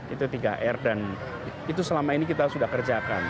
itu tiga r dan itu selama ini kita sudah kerjakan